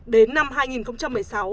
đến năm hai nghìn một mươi sáu